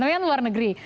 tapi yang luar negeri